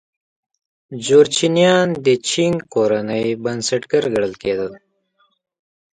جورچنیان د چینګ کورنۍ بنسټګر ګڼل کېدل.